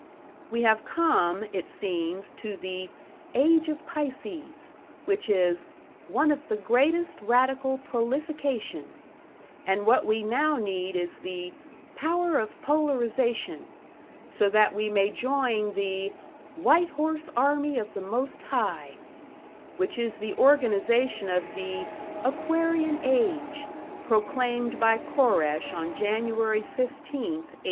We have come, it seems, to the "age of Pisces", which is "one of the greatest radical prolification"; and what we now need is the "power of polarization", so that we may join the "White Horse Army of the Most High", which is the organization of the "Aquarian age", proclaimed by Koresh on January 15th, 1891.